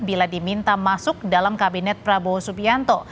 bila diminta masuk dalam kabinet prabowo subianto